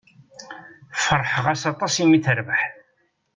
Feṛḥeɣ-as aṭas i mi terbeḥ.